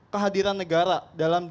kehadiran negara dalam